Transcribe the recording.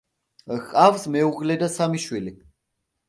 ჰყავს მეუღლე და სამი შვილი.